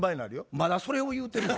まだそれを言うてるの？